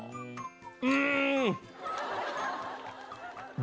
うん！